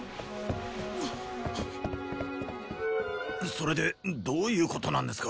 それでどういうことなんですか？